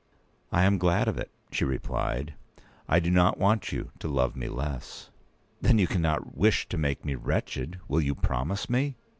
"I am glad of it," she replied; "I do not want you to love me less." "Then you cannot wish to make me wretched! Will you promise me?"